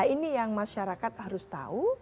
ini yang masyarakat harus tahu